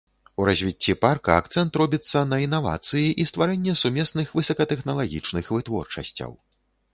У развіцці парка акцэнт робіцца на інавацыі і стварэнне сумесных высокатэхналагічных вытворчасцяў.